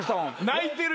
泣いてる。